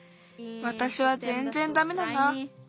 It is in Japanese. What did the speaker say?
わたしはぜんぜんダメだな。